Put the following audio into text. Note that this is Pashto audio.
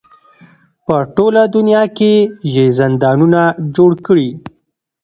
په ټوله دنیا کې یې زندانونه جوړ کړي.